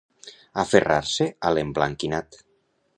Aferrar-se a l'emblanquinat.